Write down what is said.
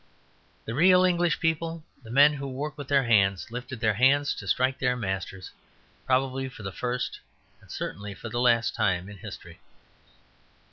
The real English people, the men who work with their hands, lifted their hands to strike their masters, probably for the first and certainly for the last time in history.